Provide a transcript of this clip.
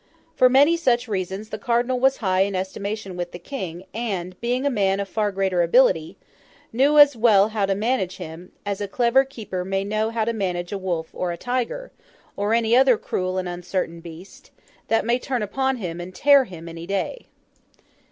For many such reasons, the Cardinal was high in estimation with the King; and, being a man of far greater ability, knew as well how to manage him, as a clever keeper may know how to manage a wolf or a tiger, or any other cruel and uncertain beast, that may turn upon him and tear him any day.